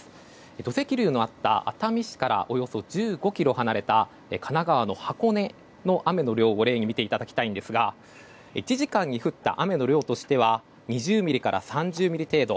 土石流のあった熱海市からおよそ１５ｋｍ離れた神奈川の箱根の雨の量を例に見ていただきたいんですが１時間に降った雨の量としては２０ミリから３０ミリ程度。